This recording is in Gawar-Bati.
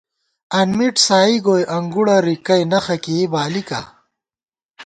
انمِٹ سائی گوئی انگُڑہ رِکَئ نخہ کېئ بالِکا